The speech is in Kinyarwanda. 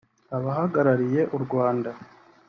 Abahagarariye u Rwanda